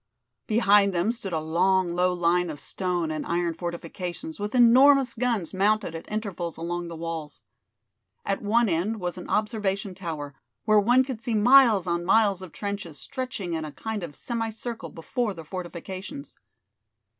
Behind them stood a long, low line of stone and iron fortifications with enormous guns mounted at intervals along the walls. At one end was an observation tower, where one could see miles on miles of trenches stretching in a kind of semicircle before the fortifications.